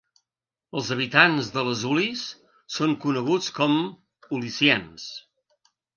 Els habitants de Les Ulis són coneguts com "ulissiens".